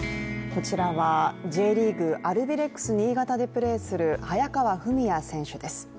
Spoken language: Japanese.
こちらはＪリーグ・アルビレックス新潟でプレーする早川史哉選手です。